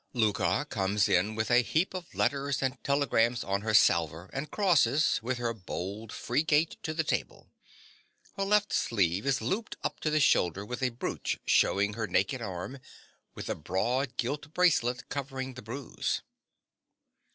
_) (_Louka comes in with a heap of letters and telegrams on her salver, and crosses, with her bold, free gait, to the table. Her left sleeve is looped up to the shoulder with a brooch, shewing her naked arm, with a broad gilt bracelet covering the bruise.